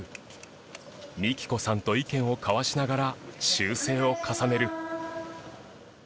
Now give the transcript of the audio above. ＭＩＫＩＫＯさんと意見を交わしながら修正を重ねる。